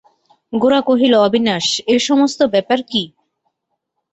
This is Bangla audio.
গোরা কহিল, অবিনাশ, এ-সমস্ত ব্যাপার কী!